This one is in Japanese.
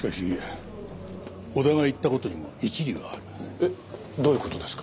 えっ？どういう事ですか？